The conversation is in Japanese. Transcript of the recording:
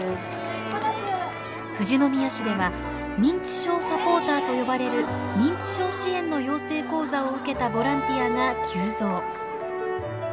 富士宮市では認知症サポーターと呼ばれる認知症支援の養成講座を受けたボランティアが急増。